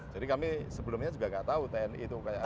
jadi kami sebelumnya juga nggak tahu tni itu kayak apa